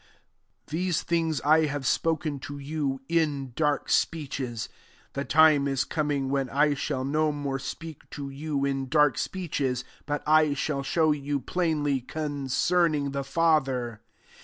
25 « These things I have spoken to you in dark speeches: the time is coming when I shall no more speak to you in dark speeches^ but I shall show you, plainly, concerning the Father.